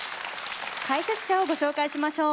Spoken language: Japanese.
解説者をご紹介しましょう。